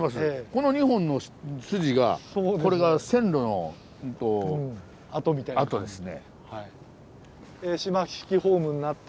この２本の筋がこれが線路の跡ですね。